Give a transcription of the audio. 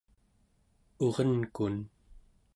urenkun